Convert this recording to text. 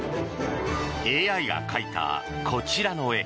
ＡＩが描いたこちらの絵